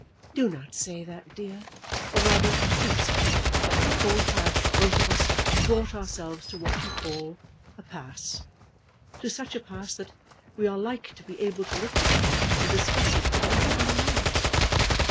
"Do not say that, dear; or rather do say it, for we have, both of us, brought ourselves to what you call a pass, to such a pass that we are like to be able to live together and discuss it for the rest of our lives.